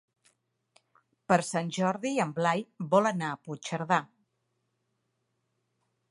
Per Sant Jordi en Blai vol anar a Puigcerdà.